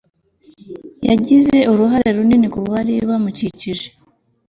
Yagize uruhare runini kubari bamukikije